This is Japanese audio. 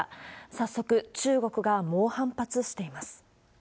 早速中国が猛反発しています。